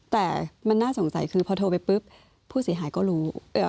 แต่มันน่าสงสัยคือพอโทรไปปุ๊บผู้เสียหายก็รู้